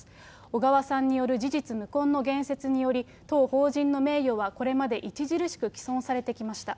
小川さんによる事実無根の言説により、当法人の名誉はこれまで著しく毀損されてきました。